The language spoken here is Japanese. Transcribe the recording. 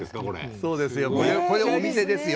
そうですよ。